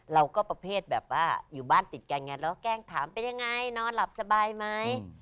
ประเภทแบบว่าอยู่บ้านติดกันไงแล้วก็แกล้งถามเป็นยังไงนอนหลับสบายไหม